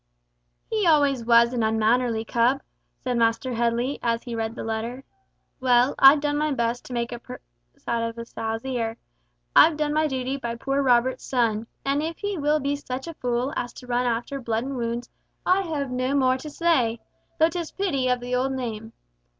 "He always was an unmannerly cub," said Master Headley, as he read the letter. "Well, I've done my best to make a silk purse of a sow's ear! I've done my duty by poor Robert's son, and if he will be such a fool as to run after blood and wounds, I have no more to say! Though 'tis pity of the old name!